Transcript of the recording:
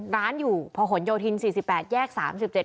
ร้านอยู่ผลโยธินสี่สิบแปดแยกสามสิบเจ็ด